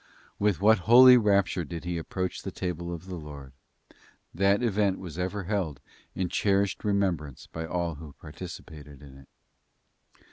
With what holy rapture did he approach the table of the Lord. That event was ever held in cherished remembrance by all who participated in it.